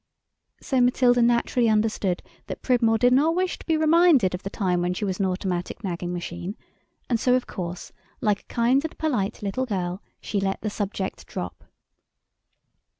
So Matilda naturally understood that Pridmore did not wish to be reminded of the time when she was an Automatic Nagging Machine, so of course, like a kind and polite little girl, she let the subject drop.